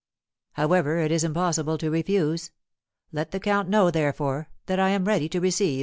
However, it is impossible to refuse. Let the count know, therefore, that I am ready to receive M.